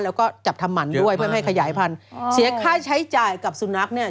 แล้วก็จับทำหมันด้วยเพื่อไม่ให้ขยายพันธุ์เสียค่าใช้จ่ายกับสุนัขเนี่ย